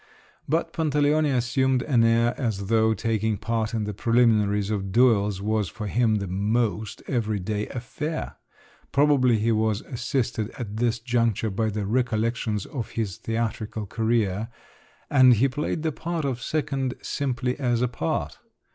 But Pantaleone assumed an air as though taking part in the preliminaries of duels was for him the most everyday affair: probably he was assisted at this juncture by the recollections of his theatrical career, and he played the part of second simply as a part.